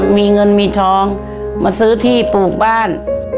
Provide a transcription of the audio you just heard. มีเงินมีทองมาซื้อที่ปลูกบ้าน